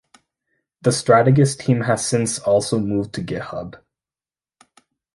The Stratagus team has since also moved to GitHub.